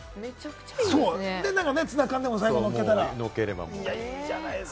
ツナ缶でも最後にのっけたら、もう。